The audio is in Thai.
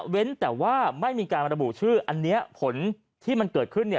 แต่ว่าไม่มีการระบุชื่ออันนี้ผลที่มันเกิดขึ้นเนี่ย